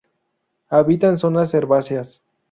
Habita en zonas herbáceas.